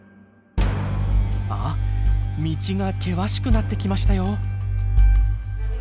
あっ道が険しくなってきましたよ。